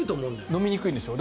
飲みにくいんでしょう。